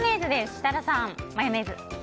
設楽さん、マヨネーズ。